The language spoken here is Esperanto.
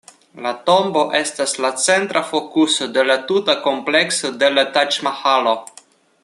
La tombo estas la centra fokuso de la tuta komplekso de la Taĝ-Mahalo.